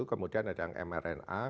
kemudian ada yang mrna